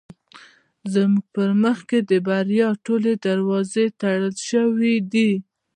زموږ په مخ د بریا ټولې دروازې تړل شوې دي.